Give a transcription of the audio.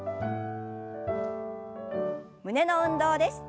胸の運動です。